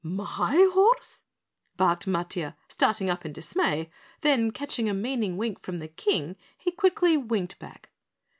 "My horse?" barked Matiah, starting up in dismay, then catching a meaning wink from the King, he quickly winked back.